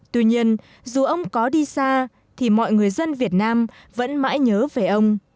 tuy nhiên dù ông có đi xa thì mọi người dân việt nam vẫn mãi nhớ về ông